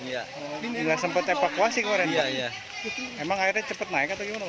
ya enggak sempat evakuasi korea ya emang airnya cepet naik atau gimana